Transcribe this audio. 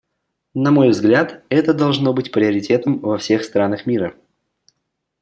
На мой взгляд, это должно быть приоритетом во всех странах мира.